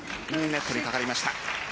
ネットにかかりました。